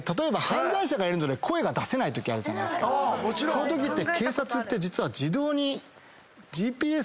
そのときって。